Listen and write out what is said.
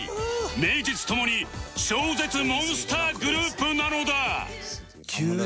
名実ともに超絶モンスターグループなのだ